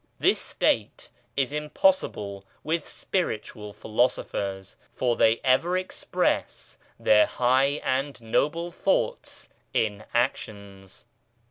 This state is impossible with Spiritual Philosophers, for they ever express their high and noble thoughts in actions.